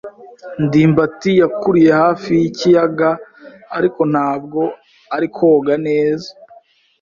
ndimbati yakuriye hafi yikiyaga, ariko ntabwo ari koga neza.